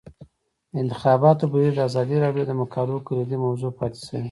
د انتخاباتو بهیر د ازادي راډیو د مقالو کلیدي موضوع پاتې شوی.